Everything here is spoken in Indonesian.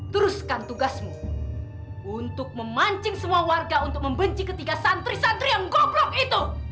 teruskan tugasmu untuk memancing semua warga untuk membenci ketiga santri santri yang goblok itu